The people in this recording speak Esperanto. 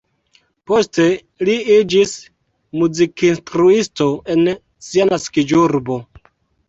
Poste li iĝis muzikinstruisto en sia naskiĝurbo.